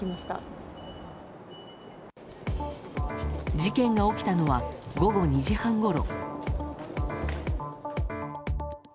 事件が起きたのは午後２時半ごろ。